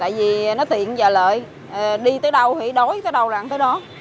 tại vì nó tiện và lợi đi tới đâu thì đói tới đâu ăn tới đó